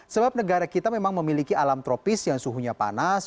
sebab negara kita memang memiliki alam tropis yang suhunya panas